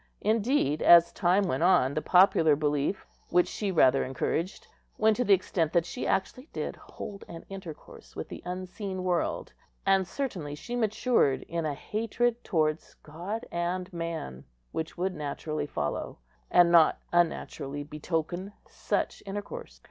Indeed, as time went on, the popular belief, which she rather encouraged, went to the extent that she actually did hold an intercourse with the unseen world; and certainly she matured in a hatred towards God and man, which would naturally follow, and not unnaturally betoken, such intercourse.